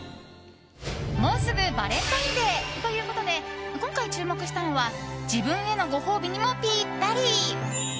もうすぐバレンタインデーということで今回注目したのは自分へのご褒美にもぴったり。